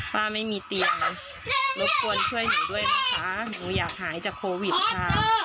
ป้าไม่มีเตียงรบกวนช่วยหนูด้วยนะคะหนูอยากหายจากโควิดค่ะ